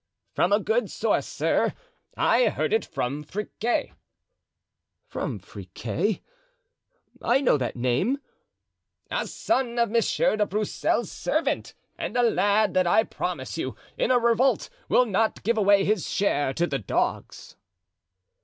"From a good source, sir; I heard it from Friquet." "From Friquet? I know that name——" "A son of Monsieur de Broussel's servant, and a lad that, I promise you, in a revolt will not give away his share to the dogs."